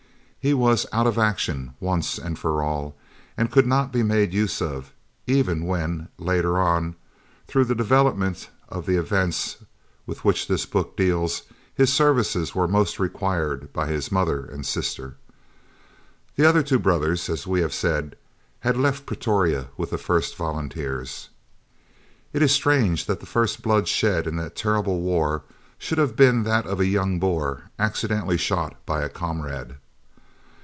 He was "out of action" once and for all, and could not be made use of, even when, later on, through the development of the events with which this book deals, his services were most required by his mother and sister. The other two brothers, as we have said, had left Pretoria with the first volunteers. It is strange that the first blood shed in that terrible war should have been that of a young Boer accidentally shot by a comrade.